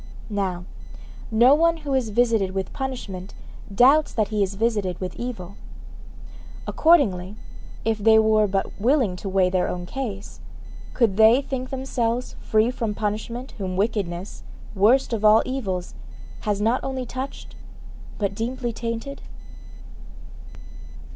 Now, no one who is visited with punishment doubts that he is visited with evil. Accordingly, if they were but willing to weigh their own case, could they think themselves free from punishment whom wickedness, worst of all evils, has not only touched, but deeply tainted?